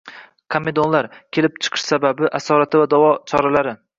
Komedonlar: kelib chiqish sababi, asorati va davo choralari